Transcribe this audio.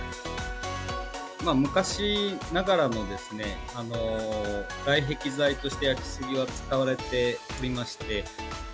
昔ながらのですね、外壁材として焼杉が使われておりまして。